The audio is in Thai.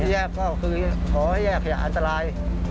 แยกเข้าคือขอให้แยกขยะอันตราย